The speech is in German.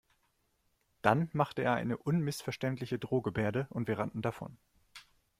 Dann machte er eine unmissverständliche Drohgebärde und wir rannten davon.